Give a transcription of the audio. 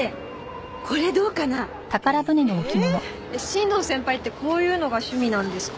新藤先輩ってこういうのが趣味なんですか？